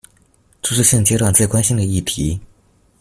這是現階段最關心的議題